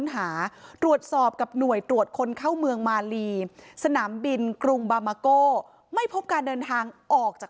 หาตรวจสอบกับหน่วยตรวจคนเข้าเมืองมาลีสนามบินกรุงบามาโก้ไม่พบการเดินทางออกจาก